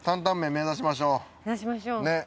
目指しましょう。